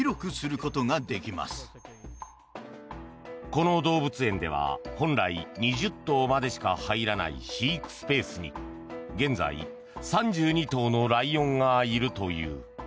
この動物園では本来、２０頭までしか入らない飼育スペースに現在、３２頭のライオンがいるという。